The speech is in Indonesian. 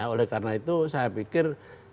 oleh karena itu saya pikir